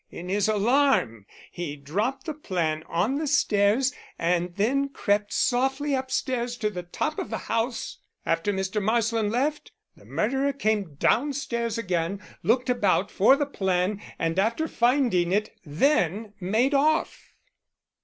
In his alarm he dropped the plan on the stairs and then crept softly upstairs to the top of the house. After Mr. Marsland left, the murderer came downstairs again, looked about for the plan, and after finding it then made off."